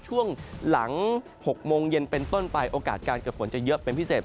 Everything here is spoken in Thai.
ช่วงหลัง๖โมงเย็นเป็นต้นไปโอกาสการเกิดฝนจะเยอะเป็นพิเศษ